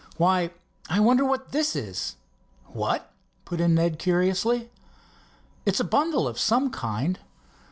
"Why, I wonder what this is?" "What?" put in Ned curiously. "It's a bundle of some kind."